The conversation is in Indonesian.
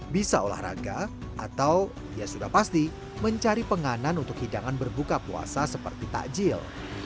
bisa olahraga atau ya sudah pasti mencari penganan untuk hidangan berbuka puasa seperti takjil